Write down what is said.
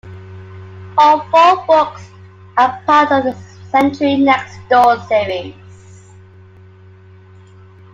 All four books are part of the "Century Next Door" series.